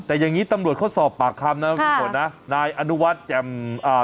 แต่อย่างงี้ตำรวจเขาสอบปากคำนะคุณฝนนะนายอนุวัฒน์แจ่มอ่า